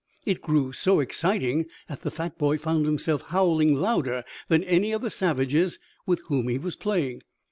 It grew so exciting that the fat boy found himself howling louder than any of the savages with whom he was playing.